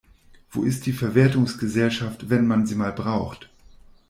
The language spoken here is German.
Wo ist die Verwertungsgesellschaft, wenn man sie mal braucht?